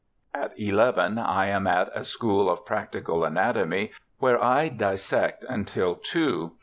At eleven I am at a school of practical anatomy, where I dissect until two.